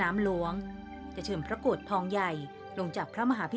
บรมบรรนาชบอภิ